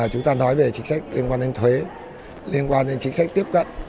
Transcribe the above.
chúng ta nói về chính sách liên quan đến thuế liên quan đến chính sách tiếp cận